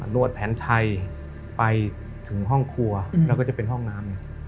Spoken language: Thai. วดแผนชัยไปถึงห้องครัวแล้วก็จะเป็นห้องน้ำ